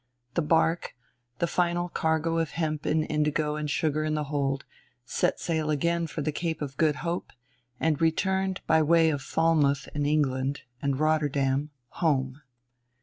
The barque, the final cargo of hemp and indigo and sugar in the hold, set sail again for the Cape of Good Hope, and returned, by way of Falmouth in England and Rotterdam, home.